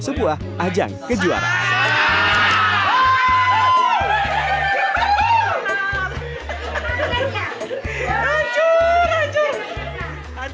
sebuah ajang kejuaraan